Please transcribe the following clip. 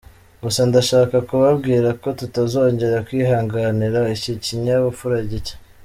Gusa ndashaka kubabwira ko tutazongera kwihanganira iki kinyabupfura gicye.